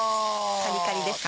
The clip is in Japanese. カリカリですね。